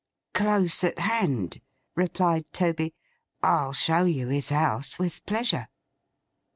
'Close at hand,' replied Toby. 'I'll show you his house with pleasure.